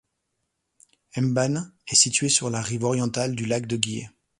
Mbane est situé sur la rive orientale du lac de Guiers.